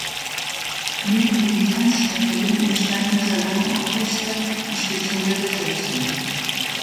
Neben den Tanzkapellen entstanden Salonorchester in spezieller Besetzung.